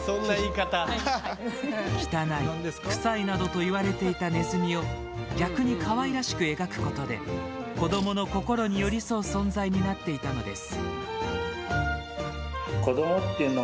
汚い、臭いなどと言われていたネズミを逆にかわいらしく描くことで子どもの心に寄り添う存在になっていたのです。